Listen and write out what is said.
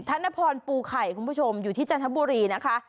ธนพรปูไข่คุณผู้ชมอยู่ที่จันทบุรีนะคะ